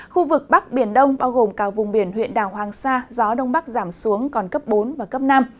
khu vực bắc biển đông bao gồm cả vùng biển huyện đảo hoàng sa gió đông bắc giảm xuống còn cấp bốn và cấp năm